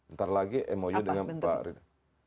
ntar lagi mou dengan pak rini